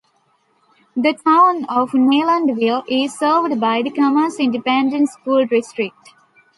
The Town of Neylandville is served by the Commerce Independent School District.